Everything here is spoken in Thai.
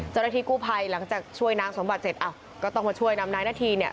เจ้าหน้าที่กู้ภัยหลังจากช่วยนางสมบัติเสร็จอ้าวก็ต้องมาช่วยนำนายนาธีเนี่ย